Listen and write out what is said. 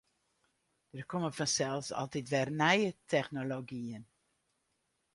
Der komme fansels altyd wer nije technologyen.